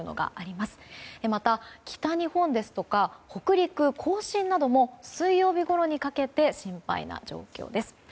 また、北日本ですとか北陸、甲信なども水曜日ごろにかけて心配な状況です。